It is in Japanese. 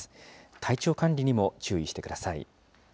体調管理にも注意してください。